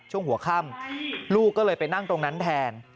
ช่วงหัวค่ำลูกก็เลยไปนั่งตรงนั้นแทน